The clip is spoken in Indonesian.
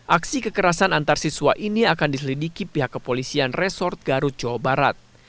aksi kekerasan antarsiswa ini akan diselidiki pihak kepolisian resort garut jawa barat